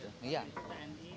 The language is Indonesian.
tni mau lihat